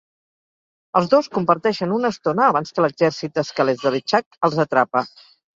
Els dos comparteixen una estona abans que l'exèrcit d'esquelets de LeChuck els atrapa.